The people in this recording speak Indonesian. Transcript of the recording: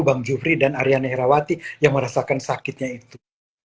bang jufri dan ariana herawati yang merasakan sakitnya itu